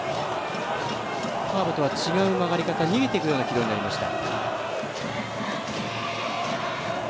カーブとは違う曲がり方逃げていくような軌道になりました。